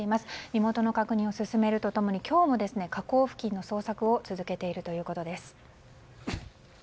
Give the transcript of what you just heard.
身元の確認を進めるとともに今日も河口付近の捜索を続けているということです。